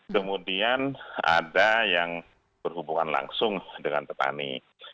kemudian ada yang berhubungan langsung dengan petani